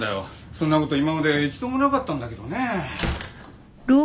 そんなこと今まで一度もなかったんだけどね。